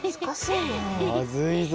まずいぞ。